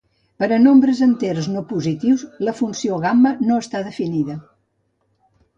Per a nombres enters no positius, la funció gamma no està definida.